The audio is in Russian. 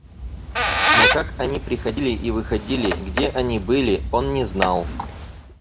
Но как они приходили и выходили, где они были, он не знал.